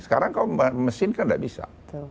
sekarang kalau mesin kan tidak bisa